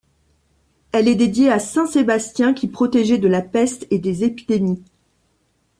Elle est dédiée à saint Sébastien, qui protégeait de la peste et des épidémies.